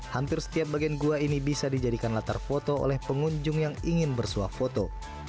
hampir setiap bagian gua ini bisa dijadikan latar foto oleh pengunjung yang ingin bersuah foto